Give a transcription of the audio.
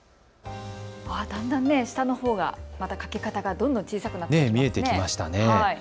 だんだん下のほうが欠け方がどんどん小さくなってきましたね。